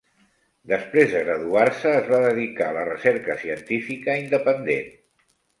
Després de graduar-se, es va dedicar a la recerca científica independent.